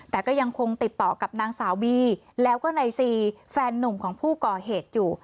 แต่ก็ยังคงติดต่อกับนางสาวบีแล้วก็นายซีแฟนนุ่มของผู้ก่อเหตุอยู่